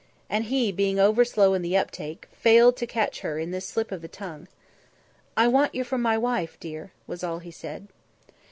And he, being over slow in the uptak', failed to catch her in this slip of the tongue. "I want you for my wife, dear," was all he said.